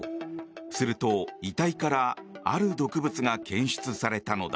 すると、遺体からある毒物が検出されたのだ。